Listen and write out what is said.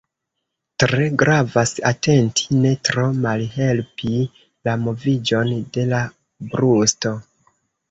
Tre gravas atenti ne tro malhelpi la moviĝon de la brusto.